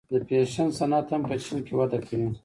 د فیشن صنعت هم په چین کې وده کوي.